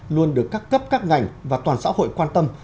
luôn được các cấp các ngành và toàn xã hội quan tâm